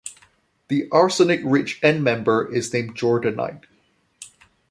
The arsenic-rich endmember is named jordanite.